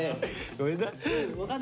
ごめんな？